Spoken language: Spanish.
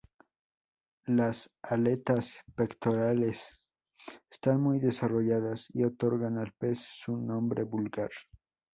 Las aletas pectorales están muy desarrolladas, y otorgan al pez su nombre vulgar.